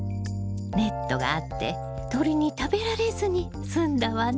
ネットがあって鳥に食べられずにすんだわね。